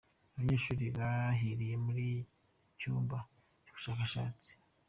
Abanyeshuri bahiriye muri cyumba cy’ubushakashatsi